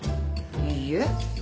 いいえ。